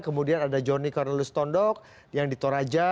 kemudian ada johnny cornelus tondok yang di toraja